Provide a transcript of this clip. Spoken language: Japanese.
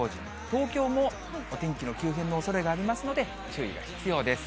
東京もお天気の急変のおそれがありますので、注意が必要です。